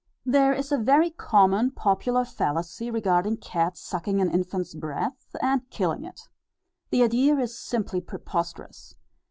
] There is a very common popular fallacy, regarding cats sucking an infant's breath, and killing it. The idea is simply preposterous.